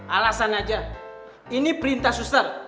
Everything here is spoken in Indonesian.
alasan aja ini perintah suster